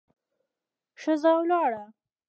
ښځه ولاړه.